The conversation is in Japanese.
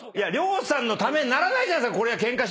亮さんのためにならないじゃないですか！